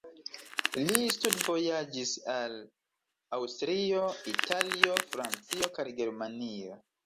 Li studvojaĝis al Aŭstrio, Italio, Francio kaj Germanio.